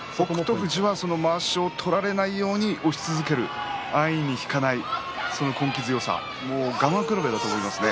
富士はまわしを取られないように押し続ける安易に引かない根気強さ我慢比べだと思いますよ